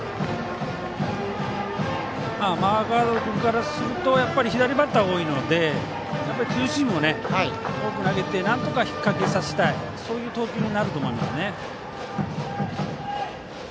マーガード君からすると左バッターが多いのでツーシームを多く投げてなんとか引っ掛けさせたい投球になると思います。